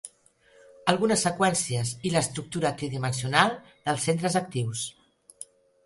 Algunes seqüències i l'estructura tridimensional dels centres actius.